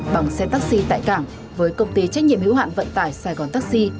bằng xe taxi tại cảng với công ty trách nhiệm hữu hạn vận tải sài gòn taxi